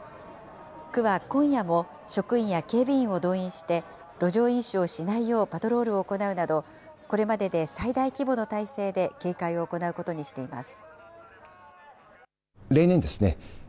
区は今夜も職員や警備員を動員して、路上飲酒をしないようパトロールを行うなど、これまでで最大規模の態勢で警戒を行うことにしています。